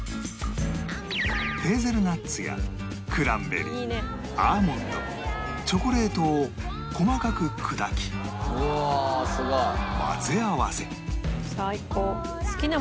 ヘーゼルナッツやクランベリーアーモンドチョコレートを細かく砕き混ぜ合わせ